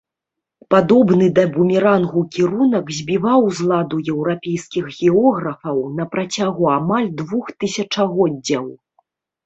Падобны да бумерангу кірунак збіваў з ладу еўрапейскіх географаў на працягу амаль двух тысячагоддзяў.